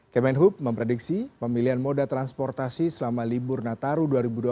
kemenhub memprediksi pemilihan moda transportasi selama libur nataru dua ribu dua puluh